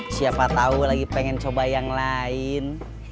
siapa tahu lagi pengen coba yang lain